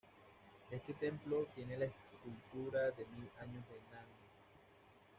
Este templo tiene la escultura de mil años de Nandi.